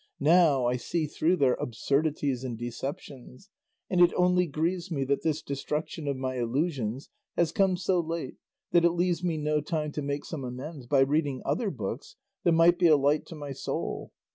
Now I see through their absurdities and deceptions, and it only grieves me that this destruction of my illusions has come so late that it leaves me no time to make some amends by reading other books that might be a light to my soul.